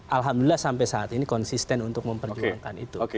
alhamdulillah sampai saat ini konsisten untuk memperjuangkan itu